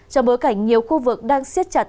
trong bối cảnh nhiều khu vực đang siết chặt